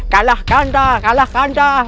kalah kantah kalah kantah